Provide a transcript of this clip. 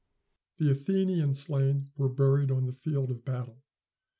] The Athenian slain were buried on the field of battle.